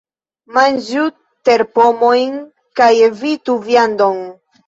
Manĝu terpomojn kaj evitu viandon.